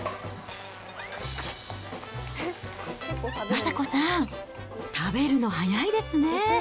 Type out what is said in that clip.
昌子さん、食べるの速いですね。